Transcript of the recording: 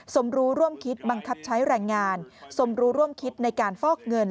สมรู้ร่วมคิดบังคับใช้แรงงานสมรู้ร่วมคิดในการฟอกเงิน